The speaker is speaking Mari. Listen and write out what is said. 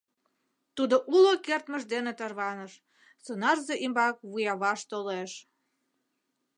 Тудо уло кертмыж дене тарваныш, сонарзе ӱмбак вуяваш толеш.